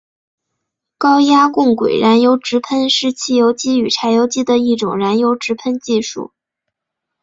高压共轨燃油直喷是汽油机与柴油机的一种燃油直喷技术。